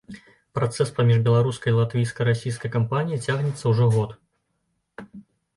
Працэс паміж беларускай і латвійска-расійскай кампаніяй цягнецца ўжо год.